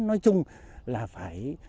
nói chung là phải